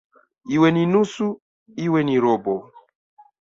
"Iwe ni nusu, iwe ni robo"